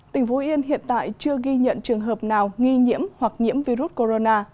tỉnh phú yên hiện tại chưa ghi nhận trường hợp nào nghi nhiễm hoặc nhiễm virus corona